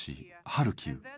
ハルキウ。